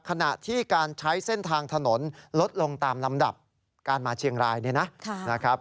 ขณะที่การใช้เส้นทางถนนลดลงตามลำดับการมาเชียงรายเนี่ยนะครับ